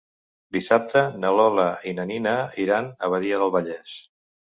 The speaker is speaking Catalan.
Dissabte na Lola i na Nina iran a Badia del Vallès.